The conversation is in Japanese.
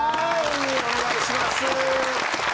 お願いします。